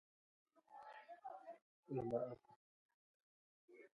Median filtering is one kind of smoothing technique, as is linear Gaussian filtering.